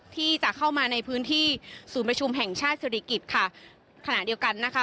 ที่จะเข้ามาในพื้นที่ศูนย์ประชุมแห่งชาติศิริกิจค่ะขณะเดียวกันนะคะ